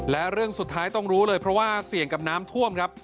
และเรื่องสุดท้ายต้องรู้เลยเพราะว่าเสี่ยงกับน้ำท่วมครับ